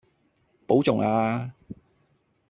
保重呀